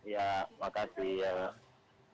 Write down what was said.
ya mbak ya terima kasih